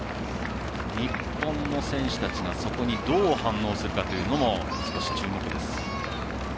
日本の選手たちが、そこにどう反応するかというのも少し注目です。